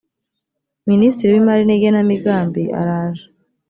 minisitiri w imari n igenamigambi araje